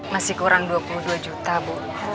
masih kurang dua puluh dua juta bu